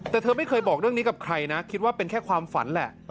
แต่เธอไม่เคยบอกเรื่องนี้กับใครนะคิดว่าเป็นแค่ความฝันแหละ